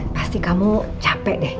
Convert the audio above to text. pasti kamu capek deh